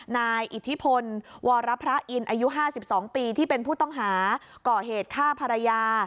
นายอิทธิพลวรพระอินทร์อายุ๕๒ปีที่เป็นผู้ต้องหาก่อเหตุฆ่าภรรยา